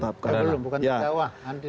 oh belum bukan di jawa